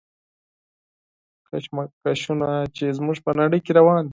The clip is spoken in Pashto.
کشمکشونه چې زموږ په نړۍ کې روان دي.